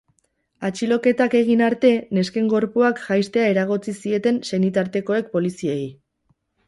Atxiloketak egin arte, nesken gorpuak jaistea eragotzi zieten senitartekoek poliziei.